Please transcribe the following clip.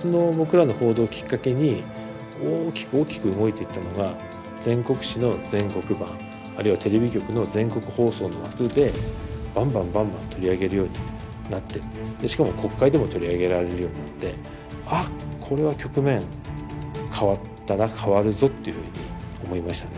その僕らの報道きっかけに大きく大きく動いていったのが全国紙の全国版あるいはテレビ局の全国放送の枠でばんばんばんばん取り上げるようになってしかも国会でも取り上げられるようになって「あこれは局面変わったな変わるぞ」っていうふうに思いましたね。